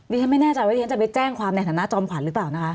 ไม่แน่ใจว่าไทยรัตน์ทีจะไปแจ้งความแหน่งหน้าจอมขวัญหรือเปล่านะคะ